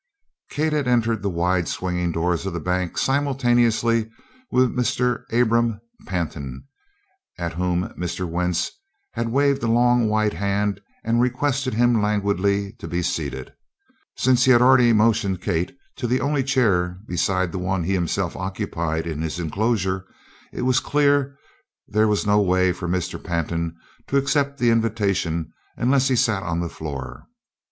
Kate had entered the wide swinging doors of the bank simultaneously with Mr. Abram Pantin, at whom Mr. Wentz had waved a long white hand and requested him languidly to be seated. Since he already had motioned Kate to the only chair beside the one he himself occupied in his enclosure, it was clear there was no way for Mr. Pantin to accept the invitation unless he sat on the floor.